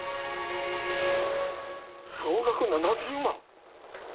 総額７０万！？